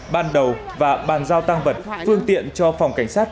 ban đầu và bàn giao tăng vật phương tiện cho phòng cảnh sát